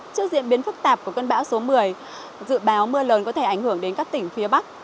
trước diễn biến phức tạp của cơn bão số một mươi dự báo mưa lớn có thể ảnh hưởng đến các tỉnh phía bắc